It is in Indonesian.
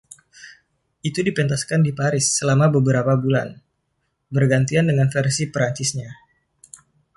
Itu dipentaskan di Paris selama beberapa bulan, bergantian dengan versi Perancisnya.